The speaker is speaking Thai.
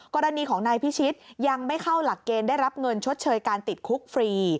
กรณีของนายพิชิตยังไม่เข้าหลักเกณฑ์ได้รับเงินชดเชยการติดคุกฟรี